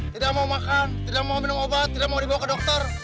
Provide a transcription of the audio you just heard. tidak mau makan tidak mau minum obat tidak mau dibawa ke dokter